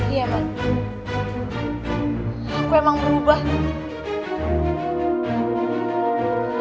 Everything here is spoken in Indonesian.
iya emang aku emang berubah